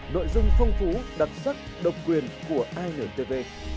nội dung phong phú đặc sắc độc quyền của intv